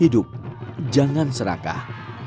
hidup jangan serakah